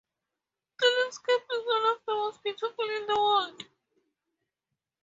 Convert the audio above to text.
The landscape is one of the most beautiful in the world.